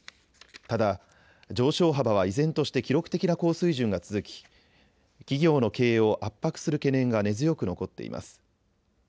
ただ、上昇幅は依然として記録的な高水準が続き企業の経営を圧迫する懸念が根強く残っています。